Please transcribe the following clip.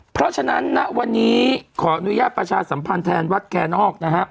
เพราะฉะนั้นณวันนี้ขออนุญาตประชาสัมพันธ์แทนวัดแคนอกนะฮะ